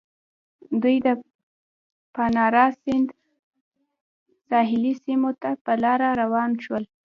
دوی د پانارا سیند ساحلي سیمو ته په لاره روان شول.